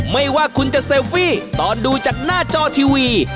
ไม่ว่าคุณจะเซลฟี่ตอนดูจากหน้าจอทีวี